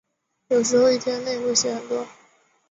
有时候一天内会写很多。